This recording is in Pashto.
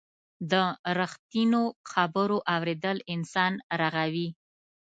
د رښتینو خبرو اورېدل انسان رغوي.